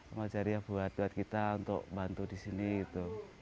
sama jariah buat kita untuk bantu di sini gitu